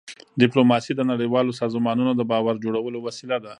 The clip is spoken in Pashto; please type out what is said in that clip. ډيپلوماسي د نړیوالو سازمانونو د باور جوړولو وسیله ده.